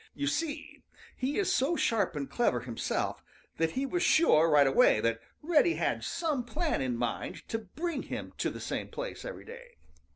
You see, he is so sharp and clever himself that he was sure right away that Reddy had some plan in mind to bring him to the same place every day.